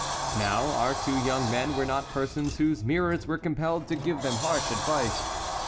Now our two young men were not persons whose mirrors were compelled to give them harsh advice.